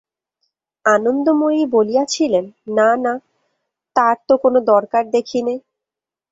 আনন্দময়ী বলিয়াছিলেন, না না, তার তো কোনো দরকার দেখি নে।